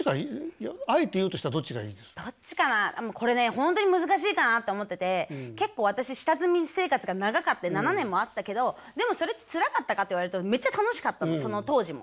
本当に難しいかなと思ってて結構私下積み生活が長かって７年もあったけどでもそれってつらかったかって言われるとめっちゃ楽しかったのその当時も。